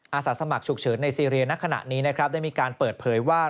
อาศักดิ์สมัครฉุกเฉินในซีเรียนขณะนี้ได้มีการเปิดเผยว่า